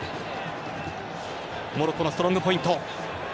モロッコのストロングポイント。